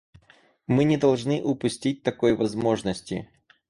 Мы не должны упустить такой возможности.